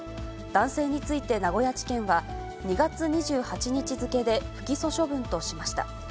男性について名古屋地検は、２月２８日付で不起訴処分としました。